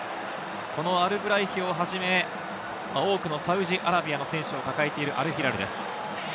このアルブライヒを始め、多くのサウジアラビアの選手を抱えているアルヒラルです。